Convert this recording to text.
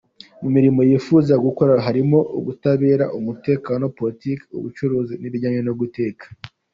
Mu mirimo yifuza gukora harimo ubutabera, umutekano, politiki, ubucuruzi n’ibijyanye no guteka.